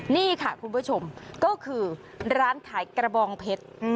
นี่ค่ะคุณผู้ชมก็คือร้านขายกระบองเพชร